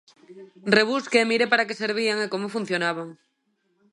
Rebusque e mire para que servían e como funcionaban.